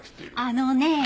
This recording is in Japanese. あのねえ。